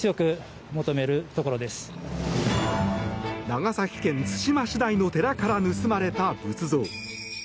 長崎県対馬市内の寺から盗まれた仏像。